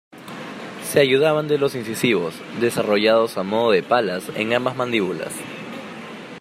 Se ayudaban de los incisivos desarrollados a modo de palas, en ambas mandíbulas.